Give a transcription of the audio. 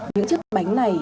những chiếc bánh này